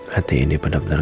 hati ini benar benar